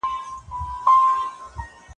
قرآن کريم د جهاد اړوند مهمي لارښووني لري.